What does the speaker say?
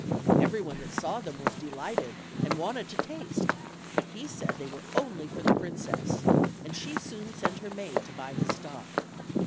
Every one that saw them was delighted and wanted to taste, but he said they were only for the princess; and she soon sent her maid to buy his stock.